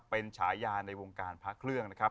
เป็นฉายาในวงการพระเครื่องนะครับ